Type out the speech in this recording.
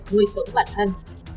nguôi sống bản thân